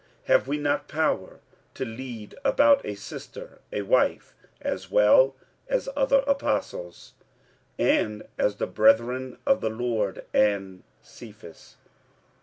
46:009:005 Have we not power to lead about a sister, a wife, as well as other apostles, and as the brethren of the Lord, and Cephas?